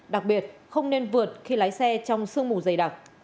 đặc biệt không nên vượt khi lái xe trong sương mù dày đặc